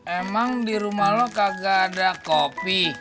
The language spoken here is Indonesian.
emang di rumah lo kagak ada kopi